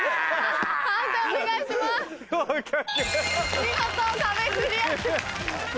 見事壁クリアです。